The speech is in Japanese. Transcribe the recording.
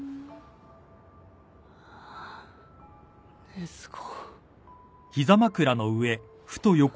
禰豆子。